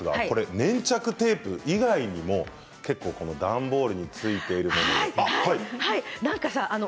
粘着テープ以外にも結構段ボールについているもので剥がさないもの。